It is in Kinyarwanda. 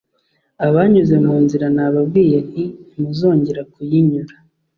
abanyuze mu nzira nababwiye nti 'ntimuzongera kuyinyura